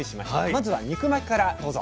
まずは肉巻きからどうぞ。